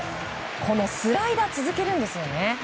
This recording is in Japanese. スライダーを続けるんですね。